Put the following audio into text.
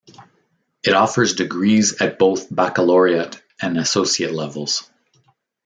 It offers degrees at both baccalaureate and associate levels.